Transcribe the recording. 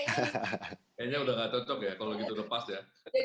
kayaknya udah gak cocok ya kalau gitu lepas ya